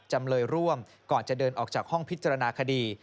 จำเลยร่วมก่อนจะเดินออกจากห้องพิจารณาคดี